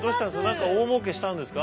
何か大もうけしたんですか？